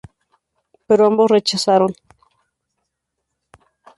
Pero ambos rechazaron.